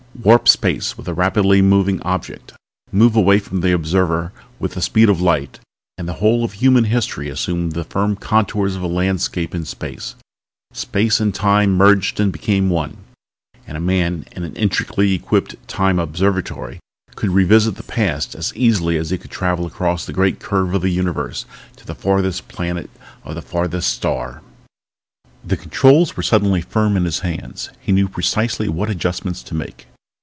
Warp space with a rapidly moving object, move away from the observer with the speed of light and the whole of human history assumed the firm contours of a landscape in space. Time and space merged and became one. And a man in an intricately equipped Time Observatory could revisit the past as easily as he could travel across the great curve of the universe to the farthest planet of the farthest star. The controls were suddenly firm in his hands. He knew precisely what adjustments to make.